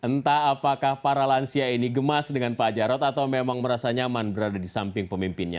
entah apakah para lansia ini gemas dengan pak jarod atau memang merasa nyaman berada di samping pemimpinnya